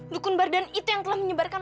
dukun bardan itu yang telah menyebarkan